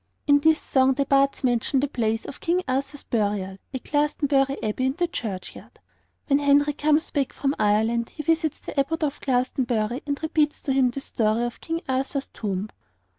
In this song the bards mention the place of King Arthur's burial, at Glastonbury Abbey in the churchyard. When Henry comes back from Ireland he visits the Abbot of Glastonbury, and repeats to him the story of King Arthur's tomb.